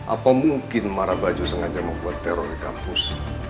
apa mungkin marah baju sengaja membuat teror di kampus